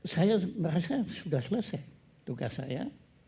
saya merasa sudah selesai tugas saya